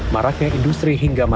maraknya industri hingga masalah